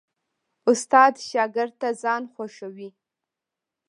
استاد شاګرد ته ځان خوښوي.